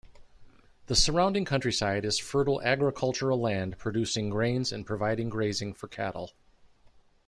The surrounding countryside is fertile agricultural land producing grains and providing grazing for cattle.